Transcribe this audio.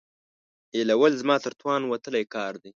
ایېلول زما تر توان وتلی کار دی.